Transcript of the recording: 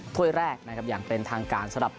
ถ้วยแรกอย่างเป็นทางการในหลัก